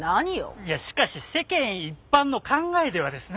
いやしかし世間一般の考えではですね。